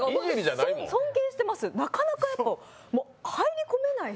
尊敬してます、なかなかやっぱ、入り込めないし。